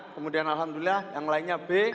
kemudian alhamdulillah yang lainnya b